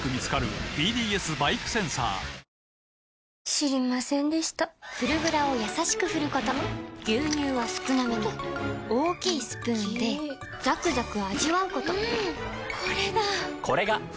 知りませんでした「フルグラ」をやさしく振ること牛乳は少なめに大きいスプーンで最後の一滴まで「カルビーフルグラ」